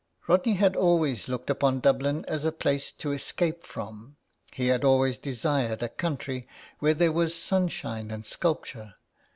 Rodney had always looked upon Dublin as a place to escape from. He had always desired a country where there was sunshine and sculpture.